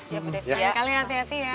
ya udah ya bu devi